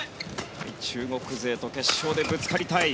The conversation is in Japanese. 中国勢と決勝でぶつかりたい。